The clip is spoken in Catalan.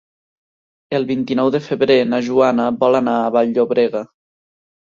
El vint-i-nou de febrer na Joana vol anar a Vall-llobrega.